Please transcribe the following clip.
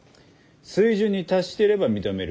水準に達していれば認める。